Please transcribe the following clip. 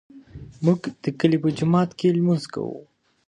موږ د کلي په جومات کې لمونځ کوو